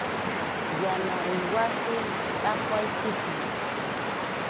Yana uywasi, machʼaqway kikin.